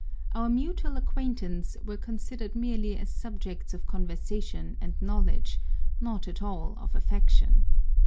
Our mutual acquaintance ;re considered merely as subjects of conversation and knowledge, not at all of affection.